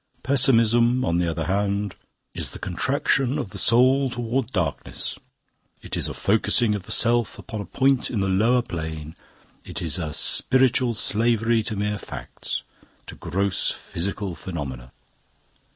"Pessimism, on the other hand, is the contraction of the soul towards darkness; it is a focusing of the self upon a point in the Lower Plane; it is a h piritual slavery to mere facts; to gross physical phenomena."